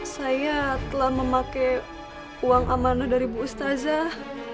saya telah memakai uang amanah dari bu ustazah